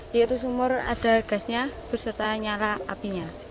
yaitu sumur ada gasnya berserta nyala apinya